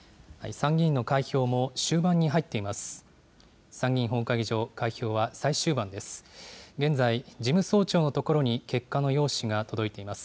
参議院の開票も終盤に入っています。